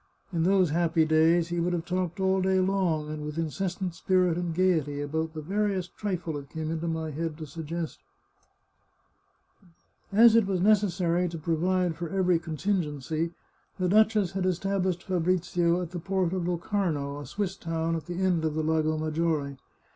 In those happy days he would have talked all day long, and with incessant spirit and gaiety, about the veriest trifle it came into my head to suggest." 418 The Chartreuse of Parma As it was necessary to provide for every contingency, the duchess had established Fabrizio at the port of Locarno, a Swiss town at the end of the Lago Maggiore.